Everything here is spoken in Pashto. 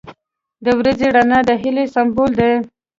• د ورځې رڼا د هیلې سمبول دی.